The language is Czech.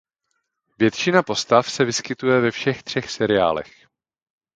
Většina postav se vyskytuje ve všech třech seriálech.